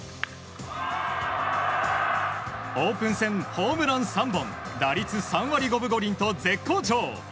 オープン戦、ホームラン３本打率３割５分５厘と絶好調。